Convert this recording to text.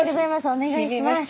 お願いします。